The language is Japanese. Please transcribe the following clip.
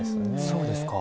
そうですか。